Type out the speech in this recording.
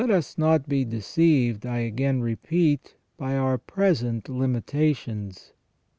us not be deceived, I again repeat, by our present limitations.